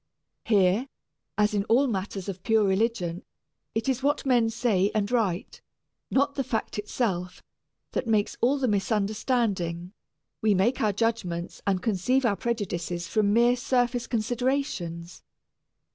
Here, as in all matters of pure religion, it is what men say and write, not the fact itself, that makes all the misunderstanding; we make our judgments and conceive our prejudices from mere surface considerations.